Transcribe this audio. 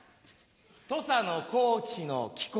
土佐の高知の気候